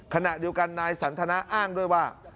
ขณะเดียวกันนายสันทนาอ้างด้วยว่า